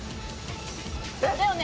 だよね？